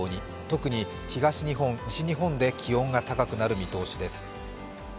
特に東日本、西日本で気温が高くなる見通しです。